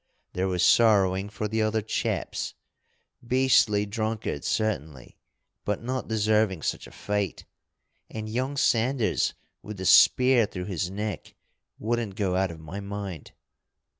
There was sorrowing for the other chaps, beastly drunkards certainly, but not deserving such a fate, and young Sanders with the spear through his neck wouldn't go out of my mind.